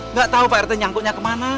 nggak tahu pak rt nyangkutnya ke mana